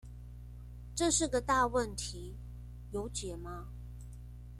這是個大問題，有解嗎？